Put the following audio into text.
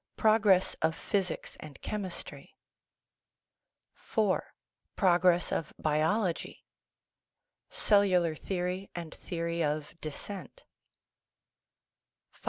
Progress of Physics and Chemistry IV. Progress of Biology Cellular Theory and Theory of Descent V.